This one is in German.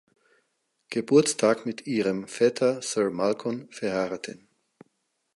Geburtstag mit ihrem Vetter Sir Malcolm verheiraten.